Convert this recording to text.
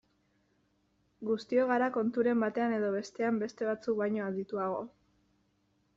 Guztiok gara konturen batean edo bestean beste batzuk baino adituago.